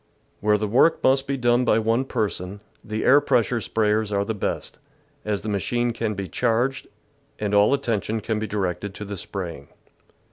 Where the work must be done by one person, the air pressure sprayers are the best, as the machine can be charged, and all attention can be directed to the spraying.